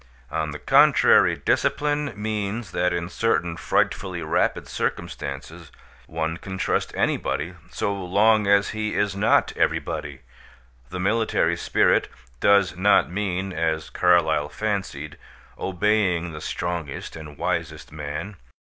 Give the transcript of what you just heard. On the contrary, discipline means that in certain frightfully rapid circumstances, one can trust anybody so long as he is not everybody. The military spirit does not mean (as Carlyle fancied) obeying the strongest and wisest man.